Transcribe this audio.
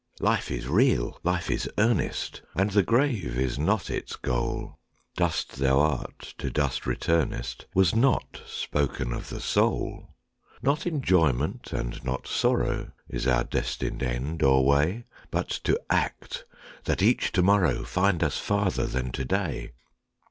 Life is real! Life is earnest! And the grave is not its goal; Dust thou art, to dust returnest, Was not spoken of the soul. Not enjoyment, and not sorrow, Is our destined end or way; But to act, that each to morrow Find us farther than to day.